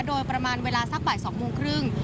โดยประมาณเวลาสักบ่าย๒โมงครึ่ง